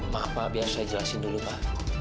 maaf pak biar saya jelasin dulu pak